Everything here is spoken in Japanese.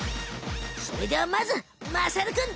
それではまずまさるくん。